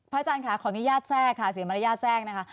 พระอาจารย์ขออนุญาตแทรกค่ะสินมูลญาวแทรก